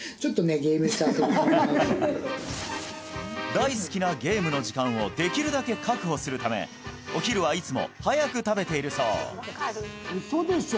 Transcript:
大好きなゲームの時間をできるだけ確保するためお昼はいつも早く食べているそう嘘でしょ！